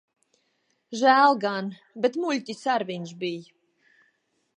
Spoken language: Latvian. Žēl gan. Bet muļķis ar viņš bij.